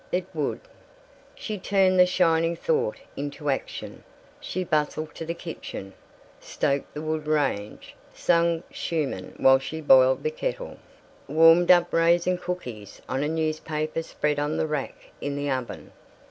It would! She turned the shining thought into action. She bustled to the kitchen, stoked the wood range, sang Schumann while she boiled the kettle, warmed up raisin cookies on a newspaper spread on the rack in the oven.